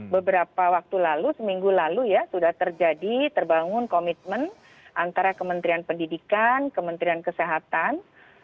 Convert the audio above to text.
beberapa waktu lalu seminggu lalu ya sudah terjadi terbangun komitmen antara kementerian pendidikan kementerian kesehatan